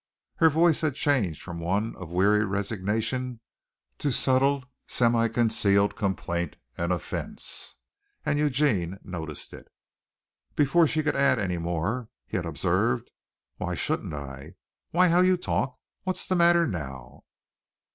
Her voice had changed from one of weary resignation to subtle semi concealed complaint and offense, and Eugene noted it. Before she could add any more, he had observed, "Why shouldn't I? Why, how you talk! What's the matter now?"